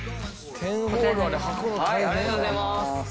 ありがとうございます。